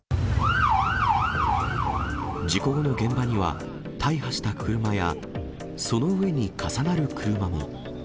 事故後の現場には、大破した車やその上に重なる車も。